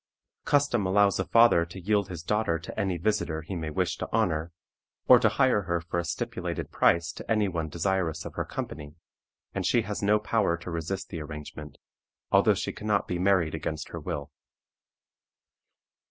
Custom allows a father to yield his daughter to any visitor he may wish to honor, or to hire her for a stipulated price to any one desirous of her company, and she has no power to resist the arrangement, although she can not be married against her will.